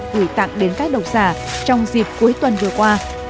gửi tặng đến các độc giả trong dịp cuối tuần vừa qua